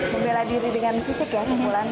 membela diri dengan fisik ya kumpulan